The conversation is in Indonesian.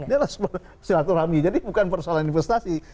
dia adalah silaturahmi jadi bukan persoalan investasi